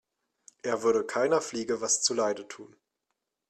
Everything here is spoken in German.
Er würde keiner Fliege was zu Leide tun.